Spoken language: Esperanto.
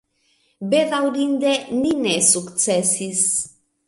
Bedaŭrinde ni ne sukcesis.